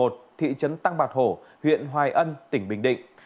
thị trấn tăng bạc hổ huyện hoài ân tỉnh bình định